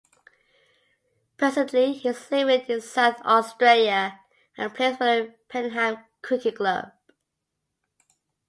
Presently he is living in South Australia and plays for the Payneham Cricket Club.